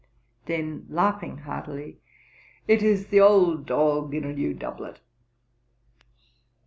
(Then laughing heartily) It is the old dog in a new doublet.